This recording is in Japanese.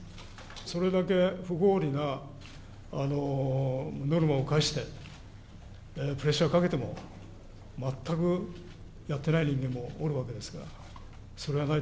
それだけ不合理なノルマを課して、プレッシャーかけても、全くやってない人間もおるわけですから。